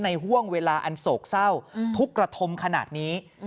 ห่วงเวลาอันโศกเศร้าทุกกระทมขนาดนี้